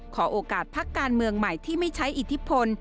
ขอโอกาสพักการเมืองใหม่ที่ไม่ใช้อิทธิพล